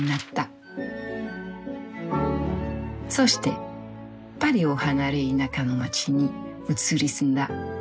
そしてパリを離れ田舎の街に移り住んだ。